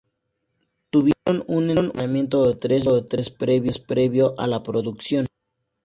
Tuvieron un entrenamiento de tres meses previo a la producción.